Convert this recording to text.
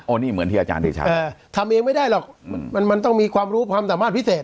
นี่เหมือนที่อาจารย์เดชาทำเองไม่ได้หรอกมันต้องมีความรู้ความสามารถพิเศษ